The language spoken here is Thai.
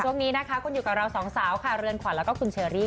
ช่วงนี้นะคะคุณอยู่กับเราสองสาวค่ะเรือนขวัญแล้วก็คุณเชอรี่